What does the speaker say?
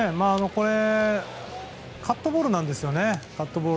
これカットボールなんですよね。